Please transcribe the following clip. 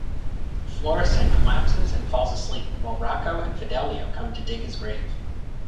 Florestan collapses and falls asleep, while Rocco and Fidelio come to dig his grave.